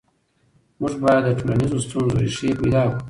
موږ باید د ټولنیزو ستونزو ریښې پیدا کړو.